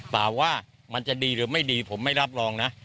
ว่ามันจะดีหรือไม่ดีผมไม่รับรองนะ